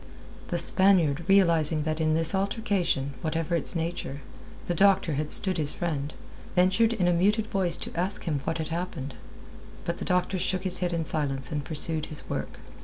The Spaniard, realizing that in this altercation, whatever its nature, the doctor had stood his friend, ventured in a muted voice to ask him what had happened. But the doctor shook his head in silence, and pursued his work.